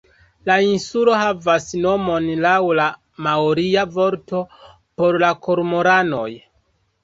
La insulo havas nomon laŭ la maoria vorto por la kormoranoj.